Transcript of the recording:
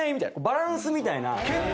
バランスみたいな。